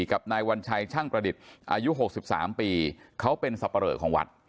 กับนายวัญชัยช่างประดิษฐ์อายุ๖๓ปีเขาเป็นสับปะเหลอของวัด